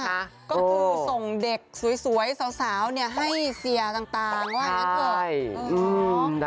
ก็คือส่งเด็กสวยสาวให้เสียต่างว่าให้เผิด